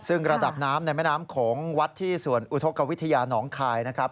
ซึ่งระดับน้ำในแม่น้ำโขงวัดที่สวนอุทธกวิทยาน้องคายนะครับ